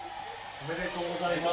おめでとうございます。